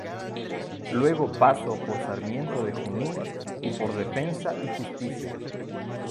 Luego paso por Sarmiento de Junín y por Defensa y Justicia.